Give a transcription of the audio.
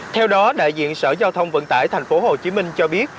theo đó đại diện sở giao thông vận tải tp hcm cho biết